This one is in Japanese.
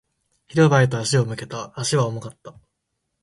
広場へと足を向けた。足は重かった。